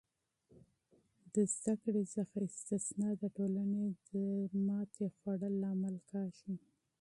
د تعلیم څخه استثنا د ټولنې د زوال لامل کیږي.